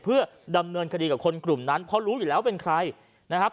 เพื่อดำเนินคดีกับคนกลุ่มนั้นเพราะรู้อยู่แล้วเป็นใครนะครับ